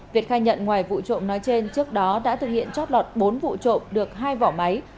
việt khai nhận ngoài vụ trộm nói trên trước đó đã thực hiện chót lọt bốn vụ trộm được hai vỏ máy